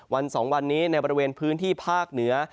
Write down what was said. ๒วันนี้ในบริเวณพื้นที่ภาคเหนือ